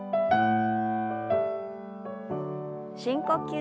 深呼吸。